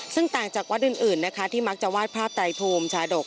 ซึ่งต่างจากวัดอื่นนะคะที่มักจะวาดภาพไตรภูมิชาดก